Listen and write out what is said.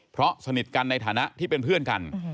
เพราะสนิทกันในฐานะที่เป็นเพื่อนกัน